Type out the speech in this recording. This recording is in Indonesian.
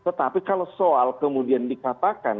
tetapi kalau soal kemudian dikatakan